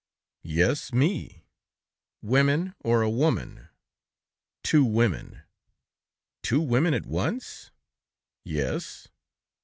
"Yes, me." "Women, or a woman?" "Two women." "Two women at once?" "Yes."